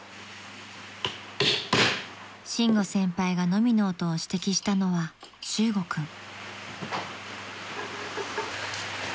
［伸吾先輩がノミの音を指摘したのは修悟君］